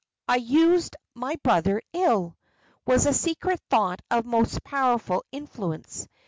"I used my brother ill," was a secret thought of most powerful influence.